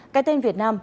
cái tên việt nam